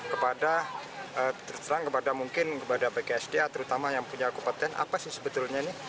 kepada terterang kepada mungkin kepada bksda terutama yang punya akupaten apa sih sebetulnya ini